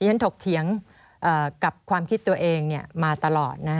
ถกเถียงกับความคิดตัวเองมาตลอดนะ